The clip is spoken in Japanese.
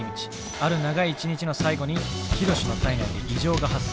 ある長い一日の最後にヒロシの体内で異常が発生。